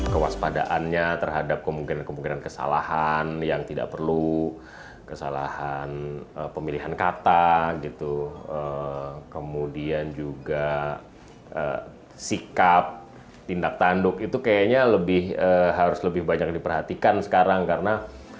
kewaspadaannya terhadap kemungkinan kemungkinan kesalahan yang tidak perlu kesalahan pemilihan kata gitu kemudian juga sikap tindak tanduk itu kayaknya lebih harus lebih banyak diperhatikan sekarang karena